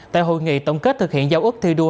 tại hội nghị tổng kết thực hiện giáo ước thi đua